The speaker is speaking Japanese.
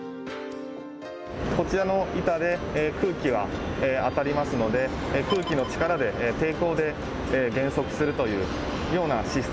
こちらの板で空気は当たりますので空気抵抗で減速するという大胆な発想。